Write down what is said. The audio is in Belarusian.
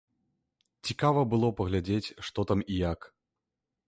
Цікава было паглядзець, што там і як.